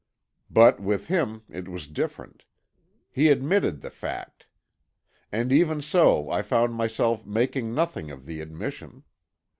But with him it was different; he admitted the fact. And even so I found myself making nothing of the admission.